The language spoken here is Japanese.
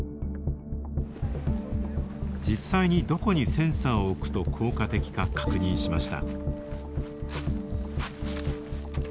実際に、どこにセンサーを置くと効果的か確認しました。